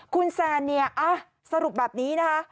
คุณแซนเนี่ยสรุปแบบนี้นะคะ